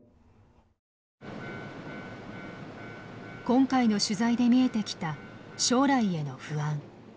今回の取材で見えてきた将来への不安。